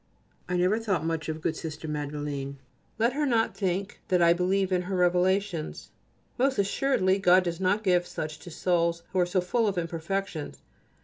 I never thought much of good Sister Madeleine. Let her not think that I believe in her revelations. Most assuredly God does not give such to souls who are so full of imperfections.